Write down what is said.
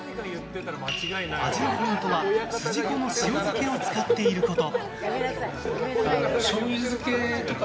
味のポイントは筋子の塩漬けを使っていること。